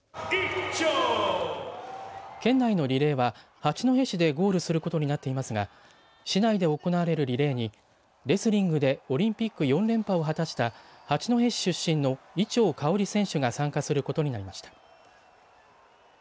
県内のリレーは八戸市でゴールすることになっていますが市内で行われるリレーにレスリングでオリンピック４連覇を果たした八戸市出身の伊調馨選手が参加することになりました。